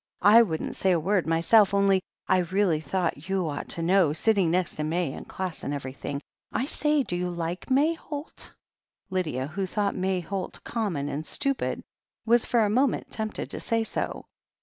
I wouldn't say a word myself, only I really thought you ought to know, sitting next to May in class and everything. I say, do you like May Holt?" Lydia, who thought May Holt common and stupid, was for a moment tempted to say so.